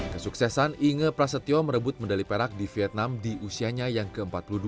kesuksesan inge prasetyo merebut medali perak di vietnam di usianya yang ke empat puluh dua